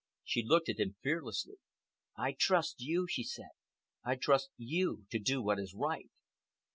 She looked at him fearlessly. "I trust you," she said. "I trust you to do what is right."